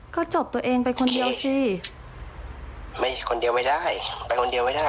ก็จบตัวเองไปคนเดียวสิไม่คนเดียวไม่ได้ไปคนเดียวไม่ได้